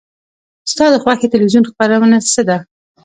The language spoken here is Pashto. ستا د خوښې تلویزیون خپرونه څه ده؟